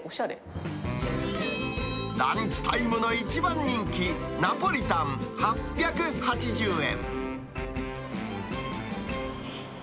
ランチタイムの一番人気、ナポリタン８８０円。